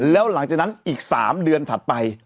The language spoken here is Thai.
แล้วหลังจากนั้นอีก๓เดือนถัดไป